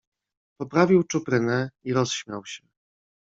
"Poprawił czuprynę i rozśmiał się."